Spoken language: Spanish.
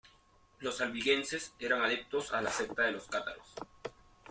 Los albigenses eran adeptos a la secta de los cátaros.